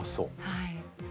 はい。